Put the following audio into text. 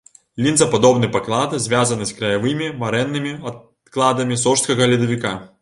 Лінзападобны паклад звязаны з краявымі марэннымі адкладамі сожскага ледавіка.